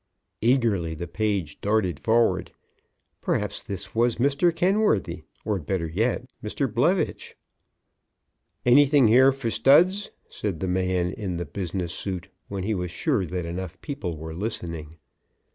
Eagerly the page darted forward. Perhaps this was Mr. Kenworthy! Or better yet, Mr. Blevitch. [Illustration: "Anything here for Studz?"] "Anything here for Studz?" said the man in the business suit, when he was sure that enough people were listening.